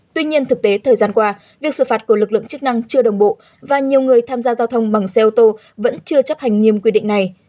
tuy nhiên thực tế thời gian qua việc xử phạt của lực lượng chức năng chưa đồng bộ và nhiều người tham gia giao thông bằng xe ô tô vẫn chưa chấp hành nghiêm quy định này